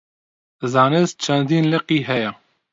زانست چەندین لقی هەیە.